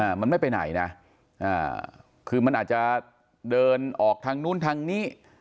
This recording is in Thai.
มันไม่ไปไหนนะอ่าคือมันอาจจะเดินออกทางนู้นทางนี้